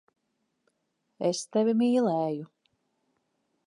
Es tevi mīlēju.